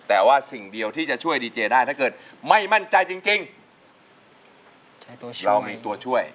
แต่ว่าสิ่งเดียวที่จะช่วยดีเจได้ถ้าเกิดไม่มั่นใจจริงเรามีตัวช่วย